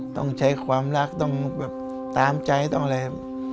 ต้องใช้ความรักต้องแบบตามใจต้องอะไร